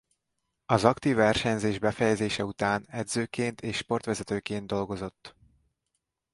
Az aktív versenyzés befejezése után edzőként és sportvezetőként dolgozott.